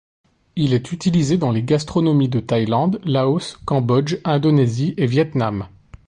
Il est utilisé dans les gastronomies de Thaïlande, Laos, Cambodge, Indonésie et Vietnam.